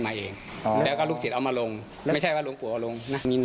หารักษาศีลกันให้ได้แล้วกัน